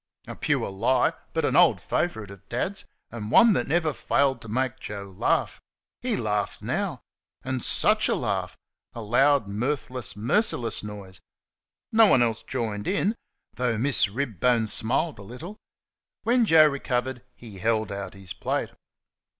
A pure lie, but an old favourite of Dad's, and one that never failed to make Joe laugh. He laughed now. And such a laugh! a loud, mirthless, merciless noise. No one else joined in, though Miss Ribbone smiled a little. When Joe recovered he held out his plate.